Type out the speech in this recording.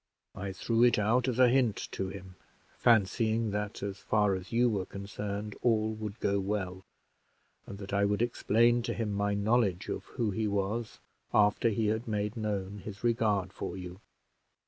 I threw it out as a hint to him, fancying that, as far as you were concerned, all would go well, and that I would explain to him my knowledge of who he was, after he had made known his regard for you."